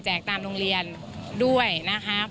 แจกตามโรงเลียนด้วยนะคะ